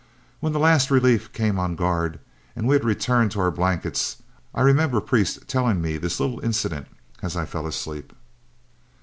When the last relief came on guard and we had returned to our blankets, I remember Priest telling me this little incident as I fell asleep.